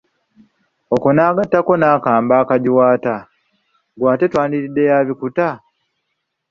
Okwo nagattako n'akambe akagiwaata, ggwe ate twandiridde ya bikuta?